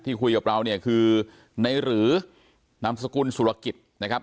คุยกับเราเนี่ยคือในหรือนามสกุลสุรกิจนะครับ